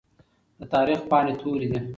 د تاريخ پاڼې تورې دي.